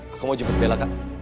aku mau jemput bela kak